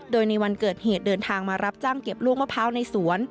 โดยในวันเกิดเหตุเดินทางมารับจ้างเก็บลูกมะพร้าวในสวน